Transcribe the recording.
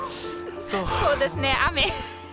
そうですね、雨。